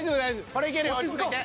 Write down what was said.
これいけるよ落ち着いて。